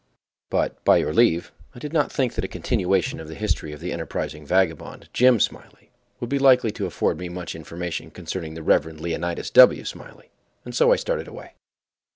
But, by your leave, I did not think that a continuation of the history of the enterprising vagabond Jim Smiley would be likely to afford me much information concerning the Rev. Leonidas W. Smiley, and so I started away.